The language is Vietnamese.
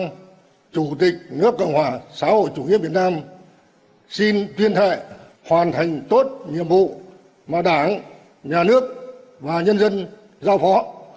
chủ tịch nước trần đại quang chủ tịch nước cộng hòa xã hội chủ nghĩa việt nam xin tuyên thệ hoàn thành tốt nhiệm vụ mà đảng nhà nước và nhân dân giao phó